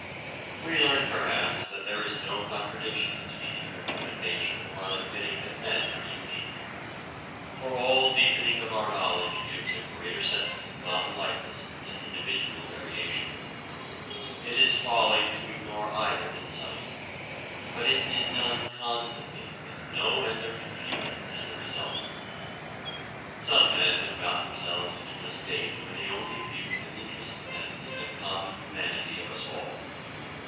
We learn perhaps that there is no contradiction in speaking of "human nature" while admitting that men are unique. For all deepening of our knowledge gives a greater sense of common likeness and individual variation. It is folly to ignore either insight. But it is done constantly, with no end of confusion as a result. Some men have got themselves into a state where the only view that interests them is the common humanity of us all.